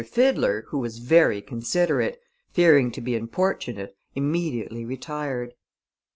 Fiddler, who was very considerate, fearing to be importunate, immediately retired.